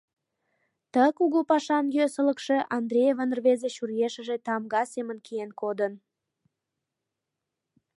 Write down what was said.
Ты кугу пашан йӧсылыкшӧ Андреевын рвезе чуриешыже тамга семын киен кодын...